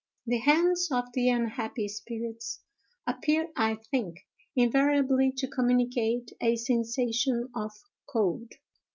The hands of the unhappy spirits appear, I think, invariably to communicate a sensation of cold.